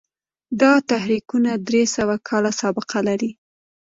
دا تحریکونه درې سوه کاله سابقه لري.